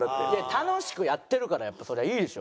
楽しくやってるからやっぱそれはいいでしょ。